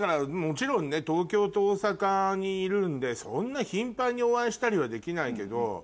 もちろんね東京と大阪にいるんでそんな頻繁にお会いしたりはできないけど。